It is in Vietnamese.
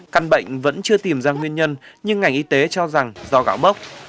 căn bệnh vẫn chưa tìm ra nguyên nhân nhưng ngành y tế cho rằng do gạo bốc